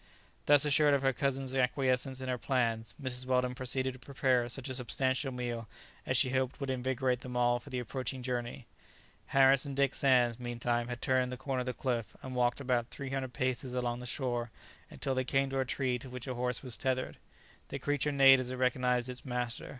Thus assured of her cousin's acquiescence in her plans; Mrs. Weldon proceeded to prepare such a substantial meal as she hoped would invigorate them all for the approaching journey. Harris and Dick Sands, meantime, had turned the corner of the cliff, and walked about 300 paces along the shore until they came to a tree to which a horse was tethered. The creature neighed as it recognized its master.